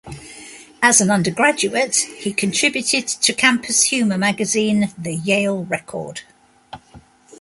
As an undergraduate, he contributed to campus humor magazine "The Yale Record".